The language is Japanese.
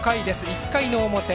１回の表。